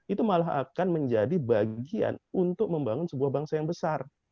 itu malah akan menjadi bagian untuk membangun sebuah bangsa yang besar